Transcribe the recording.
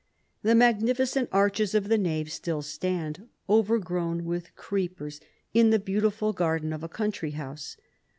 The magnificent arches of the nave still stand, overgrown with creepers, in the beautiful garden of a country house.